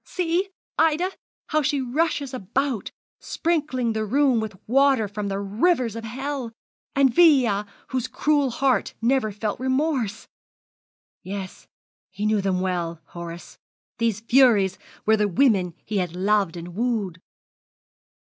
See, Ida, how she rushes about, sprinkling the room with water from the rivers of hell! And Veia, whose cruel heart never felt remorse! Yes, he knew them well, Horace. These furies were the women he had loved and wooed!'